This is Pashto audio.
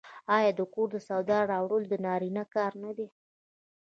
آیا د کور د سودا راوړل د نارینه کار نه دی؟